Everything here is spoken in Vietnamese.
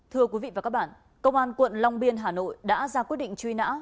thưa quý vị và các bạn công an quận long biên hà nội đã ra quyết định truy nã